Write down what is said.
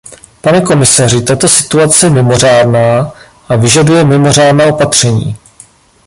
Pane komisaři, tato situace je mimořádná a vyžaduje mimořádná opatření.